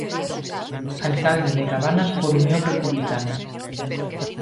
Alcalde de Cabanas por Unión Republicana.